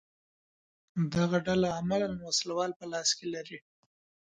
دغه ډله عملاً وسله په لاس کې لري